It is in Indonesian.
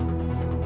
aku mau ke rumah